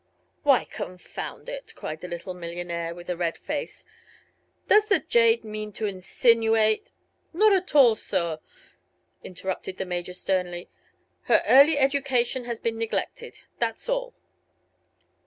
"Why, confound it!" cried the little millionaire, with a red face, "does the jade mean to insinuate " "Not at all, sor," interrupted the Major, sternly; "her early education has been neglected, that's all."